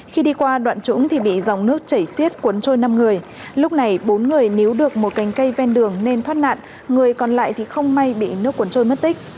khi đi qua đoạn trũng thì bị dòng nước chảy xiết cuốn trôi năm người lúc này bốn người nếu được một cành cây ven đường nên thoát nạn người còn lại thì không may bị nước cuốn trôi mất tích